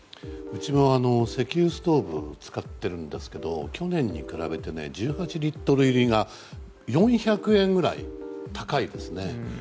うちも石油ストーブを使っているんですが去年に比べて１８リットル入りが４００円ぐらい高いですね。